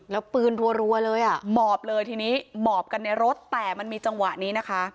แล้วปืนรัวเลยอ่ะหมอบเลยทีนี้หมอบกันในรถแต่มันมีจังหวะนี้นะคะ